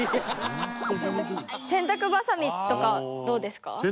どうですか？